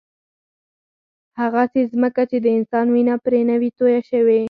هغسې ځمکه چې د انسان وینه پرې نه وي تویه شوې.